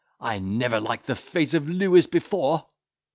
I never liked the face of Lewis before."